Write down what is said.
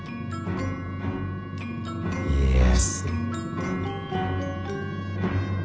家康。